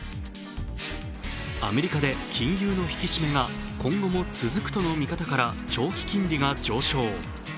アメリカで金融の引き締めが今後も続くとの見方から長期金利が上昇。